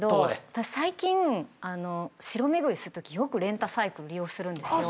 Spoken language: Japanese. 私最近城巡りする時よくレンタサイクル利用するんですよ。